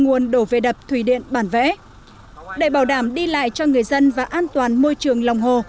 nguồn đổ về đập thủy điện bản vẽ để bảo đảm đi lại cho người dân và an toàn môi trường lòng hồ